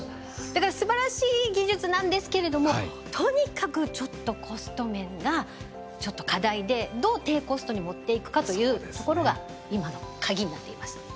だからすばらしい技術なんですけれどもとにかくちょっとコスト面がちょっと課題でどう低コストに持っていくかというところが今のカギになっています。